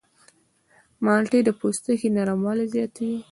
مالټې د پوستکي نرموالی زیاتوي.